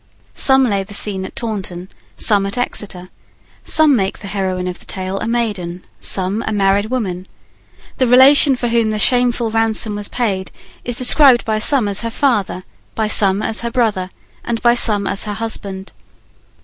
Some lay the scene at Taunton, some at Exeter. Some make the heroine of the tale a maiden, some a married woman. The relation for whom the shameful ransom was paid is described by some as her father, by some as her brother, and by some as her husband.